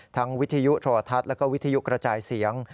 ทั้งวิทยุตรอทัศน์และก็วิทยุกระจายเสียง